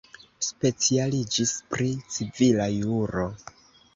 Specialiĝis pri civila juro.